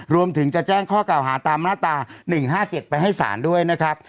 รวมถึงจะแจ้งข้อเก่าหาตามหน้าตาหนึ่งห้าเก็ดไปให้สารด้วยนะครับ